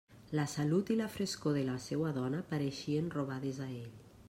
La salut i la frescor de la seua dona pareixien robades a ell.